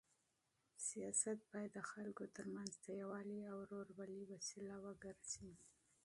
سیاست باید د خلکو تر منځ د یووالي او ورورولۍ وسیله وګرځي.